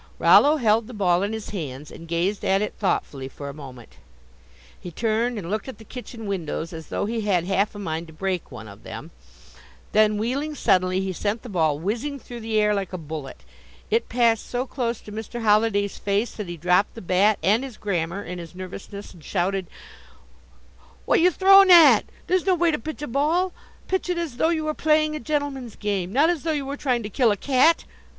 Rollo held the ball in his hands and gazed at it thoughtfully for a moment; he turned and looked at the kitchen windows as though he had half a mind to break one of them; then wheeling suddenly he sent the ball whizzing through the air like a bullet. It passed so close to Mr. Holliday's face that he dropped the bat and his grammar in his nervousness and shouted: "Whata you throw nat? That's no way to pitch a ball! Pitch it as though you were playing a gentleman's game; not as though you were trying to kill a cat!